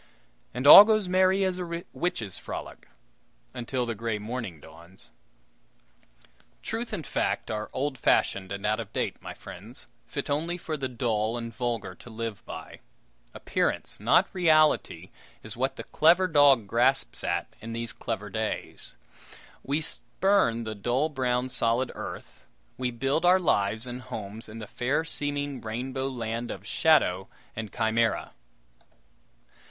And all goes merry as a witches' frolic until the gray morning dawns. Truth and fact are old fashioned and out of date, my friends, fit only for the dull and vulgar to live by. Appearance, not reality, is what the clever dog grasps at in these clever days. We spurn the dull brown solid earth; we build our lives and homes in the fair seeming rainbow land of shadow and chimera.